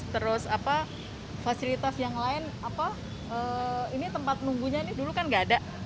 terus fasilitas yang lain ini tempat menunggunya dulu kan nggak ada